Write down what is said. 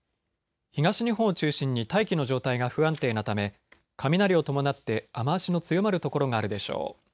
東日本を中心に大気の状態が不安定なため雷を伴って雨足の強まる所があるでしょう。